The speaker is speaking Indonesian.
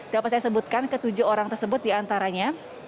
dapat saya sebutkan ketujuh orang tersebut diantaranya